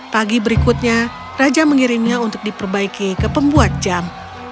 pagi berikutnya raja mengirimnya untuk diperbaiki ke pembuat jam